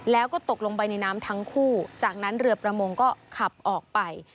แล้วก็ตกลงไปในน้ำทั้งคู่จากนั้นเรือประมงก็ขับออกไป